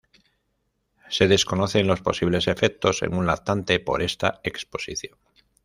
Se desconocen los posibles efectos en un lactante por esta exposición.